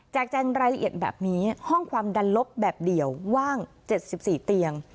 แจงรายละเอียดแบบนี้ห้องความดันลบแบบเดียวว่าง๗๔เตียง